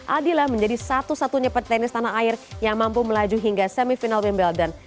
aldila menjadi satu satunya petenis tanah air yang mampu melaju hingga semifinal wimbledon